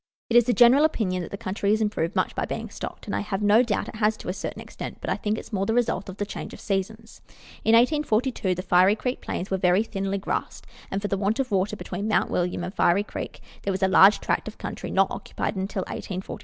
It is the general opinion that the country has improved much by being stocked, and I have no doubt it has to a certain extent, but I think it ia more the result of the change of seasons. In 1842, the Fiery Creek plains were very thinly grassed, and, for the want of water between Mount William and Fiery Creek, there was a large tract of country not occupied till 1846.